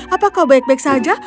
apa kau baik baik saja